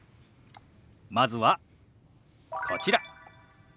まずはこちら。